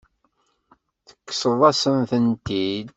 Tekkseḍ-asen-tent-id.